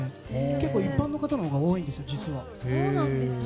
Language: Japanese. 結構、一般の方のほうが多いんですよ、実は。